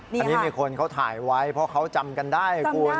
นี่ค่ะอันนี้มีคนเขาถ่ายไว้เพราะเขาจำกันได้